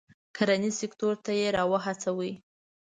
کرنیز سکتور ته یې را و هڅوي.